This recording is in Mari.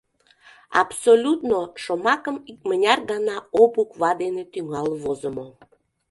«Абсолютно» шомакым икмыняр гана «о» буква дене тӱҥал возымо.